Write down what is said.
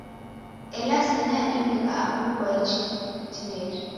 Ela sena yadimika angu kwaichi kutineri.